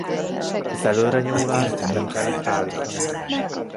Az előrenyomulást le kellett állítani.